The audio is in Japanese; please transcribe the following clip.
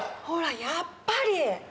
ほらやっぱり！